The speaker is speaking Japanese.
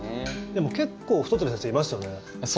でも結構太ってる先生いますよね。